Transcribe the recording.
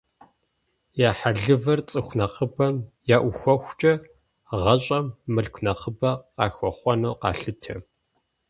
Я хьэлывэр цӀыху нэхъыбэм яӀухуэхукӀэ, гъэщӀэм мылъку нэхъыбэ къахэхъуэну къалъытэ.